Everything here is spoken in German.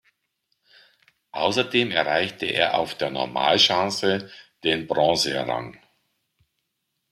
Außerdem erreichte er auf der Normalschanze den Bronzerang.